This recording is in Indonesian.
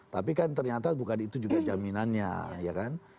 tapi kan ternyata bukan itu juga jaminannya ya kan